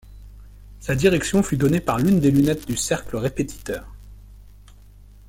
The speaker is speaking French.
Sa direction fut donnée par l’une des lunettes du cercle répétiteur.